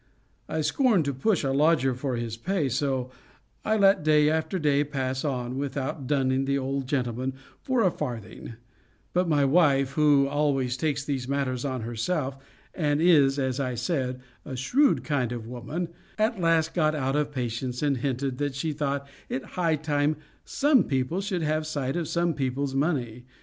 I scorn to push a lodger for his pay, so I let day after day pass on without dunning the old gentleman for a farthing; but my wife, who always takes these matters on herself, and is, as I said, a shrewd kind of a woman, at last got out of patience, and hinted, that she thought it high time "some people should have a sight of some people's money."